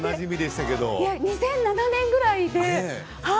２００７年ぐらいで。